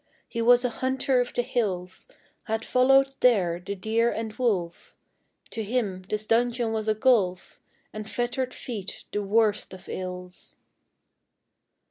He was a hunter of the hills, Had followed there the deer and wolf; To him this dungeon was a gulf And fettered feet the worst of ills.